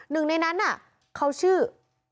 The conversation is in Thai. นึงอันนั้นนะเขาชื่อ